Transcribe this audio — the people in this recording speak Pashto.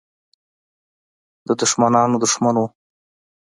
د دښمنانو دښمن وو.